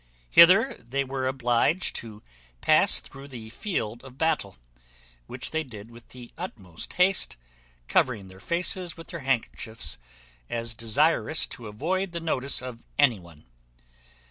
Hither they were obliged to pass through the field of battle, which they did with the utmost haste, covering their faces with their handkerchiefs, as desirous to avoid the notice of any one.